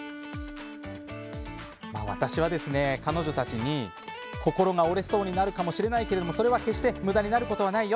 私は彼女たちに心が折れそうになるかもしれないけどそれは決してむだになることはないよ